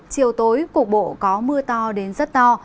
chiều tối cục bộ có mưa to đến rất to